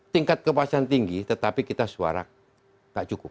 tingkat kepuasan tinggi tetapi kita suara tidak cukup